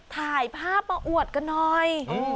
ถ่ายภาพมาอวดกันหน่อย